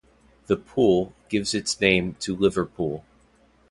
The "Pool" gives its name to Liverpool.